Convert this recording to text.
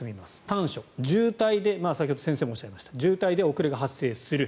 短所、渋滞で、先ほど先生もおっしゃいましたが渋滞で遅れが発生する。